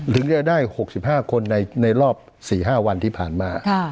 ถึงจะได้๖๕คนในรอบ๔๕วันที่ผ่านมา